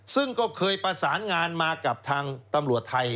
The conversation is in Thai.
ซึ่งก็เคยประสานงานมากับทางตำรวจไทย